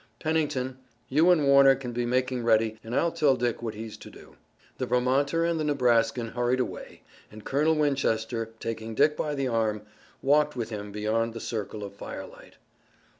Pennington, you and Warner can be making ready and I'll tell Dick what he's to do." The Vermonter and the Nebraskan hurried away and Colonel Winchester, taking Dick by the arm, walked with him beyond the circle of firelight.